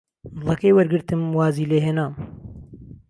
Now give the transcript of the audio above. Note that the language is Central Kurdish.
دڵهکهی وهرگرتم وازی لێ هێنام